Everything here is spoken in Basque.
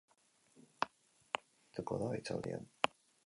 Azken honen inguruan arituko da hitzaldian.